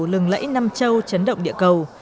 lừng lẫy năm châu chấn động địa cầu